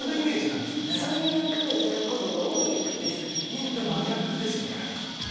そういう役を頂くことが多いですからね。